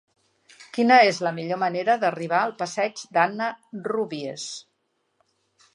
Quina és la millor manera d'arribar al passeig d'Anna Rúbies?